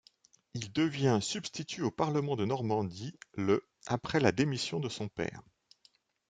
Il devient substitut au Parlement de Normandie le après la démission de son père.